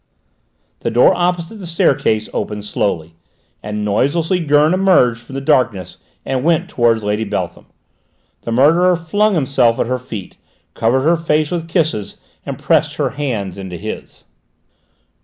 The door opposite the staircase opened slowly, and noiselessly Gurn emerged from the darkness and went towards Lady Beltham. The murderer flung himself at her feet, covered her face with kisses, and pressed her hands in his.